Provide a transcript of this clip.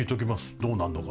どうなんのか。